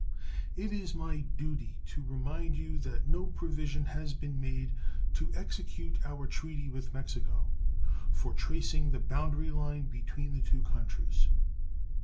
It is my duty to remind you that no provision has been made to execute our treaty with Mexico for tracing the boundary line between the two countries.